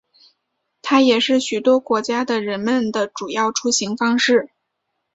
它也是许多国家的人们的主要出行方式。